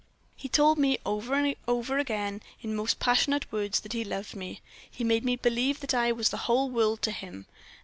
He told me, over and over again, in most passionate words, that he loved me. He made me believe that I was the whole world to him.